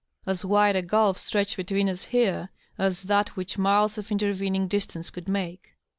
As wide a gulf stretched between us here as that which miles of intervening distance could make.